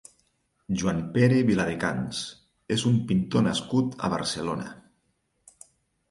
Joan-Pere Viladecans és un pintor nascut a Barcelona.